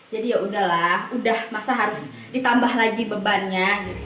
jadi ya udahlah udah masa harus ditambah lagi bebannya